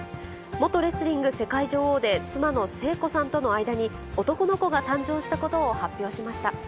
元レスリング世界女王で妻の聖子さんとの間に男の子が誕生したことを発表しました。